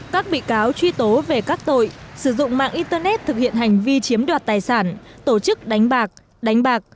các bị cáo truy tố về các tội sử dụng mạng internet thực hiện hành vi chiếm đoạt tài sản tổ chức đánh bạc đánh bạc